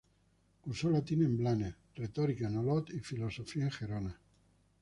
Cursó latín en Blanes, retórica en Olot y filosofía en Gerona.